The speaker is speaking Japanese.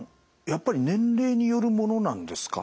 やっぱり年齢によるものなんですか？